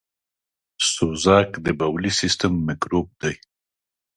سوزک دبولي سیستم میکروب دی .